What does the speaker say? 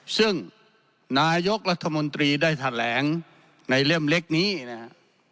ซึ่งนายกรัฐมนตรีได้แถลงในเล่มเล็กนี้นะครับ